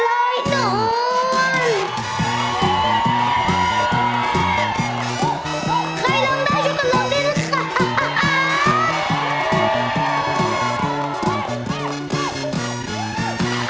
ใครล้ำได้ชุดกับล้ำดินครับ